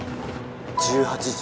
１８時？